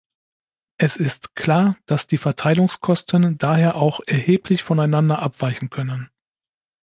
Es ist klar, dass die Verteilungskosten daher auch erheblich voneinander abweichen können.